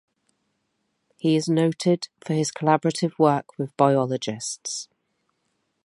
He is noted for his collaborative work with biologists.